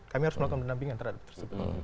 kami harus melakukan pendampingan terhadap tersebut